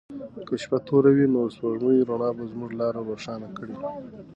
که شپه توره وي نو د سپوږمۍ رڼا به زموږ لاره روښانه کړي.